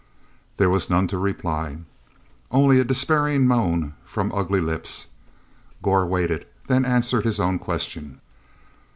There was none to reply—only a despairing moan from ugly lips. Gor waited, then answered his own question.